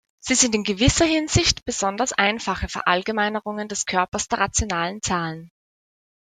Sie sind in gewisser Hinsicht besonders einfache Verallgemeinerungen des Körpers der rationalen Zahlen.